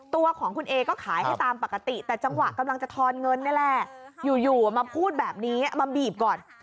ตัวของคุณเอก็ขายให้ตามปกติแต่จังหวะกำลังจะทอนเงินนี่แหละอยู่มาพูดแบบนี้มาบีบก่อน